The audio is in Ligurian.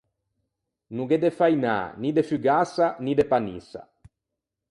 No gh’é de fainâ, ni de fugassa, ni de panissa.